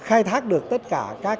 khai thác được tất cả các